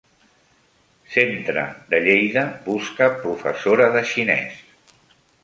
Centre de Lleida busca professora de xinès.